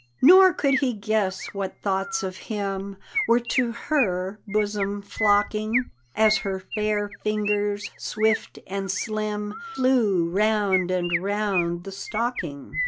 Nor could he guess what thoughts of him Were to her bosom flocking, As her fair fingers, swift and slim, Flew round and round the stocking.